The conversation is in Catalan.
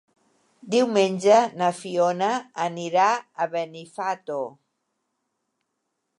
Diumenge na Fiona anirà a Benifato.